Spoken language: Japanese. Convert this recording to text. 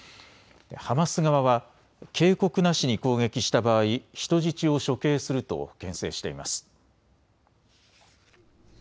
ハマス側は警告なしに攻撃した場合、人質を処刑するとけん制しています。